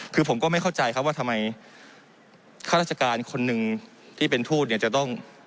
คือผมก็ไม่เข้าใจครับว่าทำไมข้าราชการคนหนึ่งที่เป็นทูตเนี่ยจะต้อง